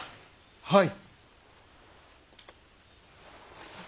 はい。